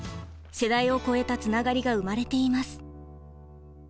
世代を超えたつながりが生まれています。